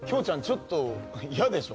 ちょっと嫌でしょ？